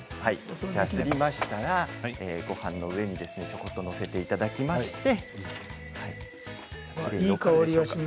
すりましたら、ごはんの上に載せていただきまして。